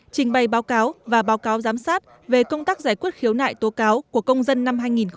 trình bày báo cáo và báo cáo giám sát về công tác giải quyết khiếu nại tố cáo của công dân năm hai nghìn một mươi tám